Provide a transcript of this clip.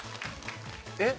えっ？